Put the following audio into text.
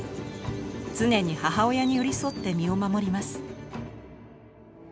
常に母親に寄り添って身を守ります。